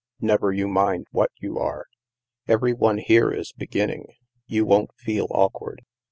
" Never you mind what you are. Every one here is beginning; you won't feel awkward.